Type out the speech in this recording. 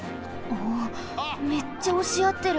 おおめっちゃおしあってる。